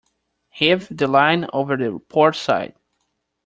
Heave the line over the port side.